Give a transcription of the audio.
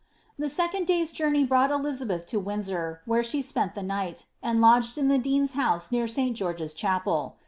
"' The second day's journey brought Elizabeth to Windsor, where she spent the night, and lodged in the dean's house near Saint George's chapel.